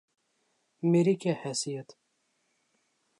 میری کیا حیثیت؟